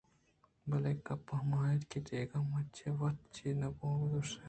بلئے گپ ہما اِنت کہ دگہ من چہ وت چے بہ گوٛشاں